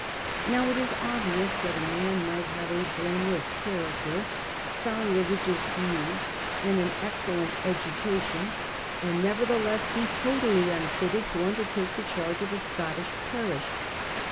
Now it is obvious that a man might have a blameless character, sound religious views, and an excellent education, and nevertheless be totally unfitted to undertake the charge of a Scottish parish.